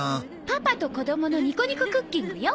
「パパとこどものニコニコクッキング」よ。